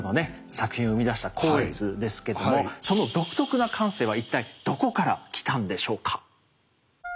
作品を生み出した光悦ですけどもその独特な感性は一体どこから来たんでしょうか。